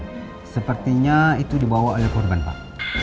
sepertinya itu dibawa oleh korban pak